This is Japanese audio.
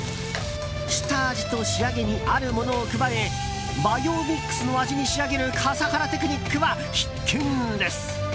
下味と仕上げにあるものを加え和洋ミックスの味に仕上げる笠原テクニックは必見です。